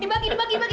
dibagi dibagi dibagi